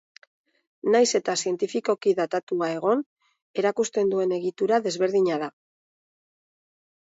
Nahiz eta zientifikoki datatua egon, erakusten duen egitura desberdina da.